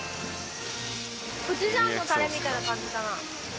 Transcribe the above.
コチュジャンのタレみたいな感じかな。